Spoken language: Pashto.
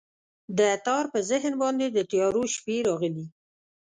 د تار په ذهن باندې، د تیارو شپې راغلي